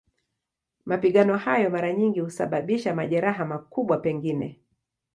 Mapigano hayo mara nyingi husababisha majeraha, makubwa pengine.